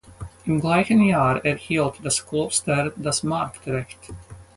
Im gleichen Jahr erhielt das Kloster das Marktrecht.